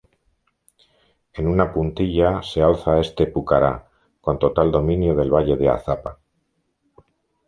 En una puntilla se alza este pucará, con total dominio del valle de Azapa.